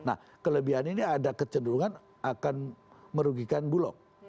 nah kelebihan ini ada kecenderungan akan merugikan bulog